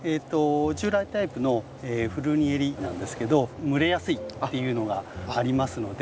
従来タイプのフルニエリなんですけど蒸れやすいっていうのがありますので。